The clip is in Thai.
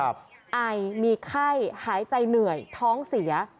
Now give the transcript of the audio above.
ไอมีไข้หายใจเหนื่อยท้องเสีย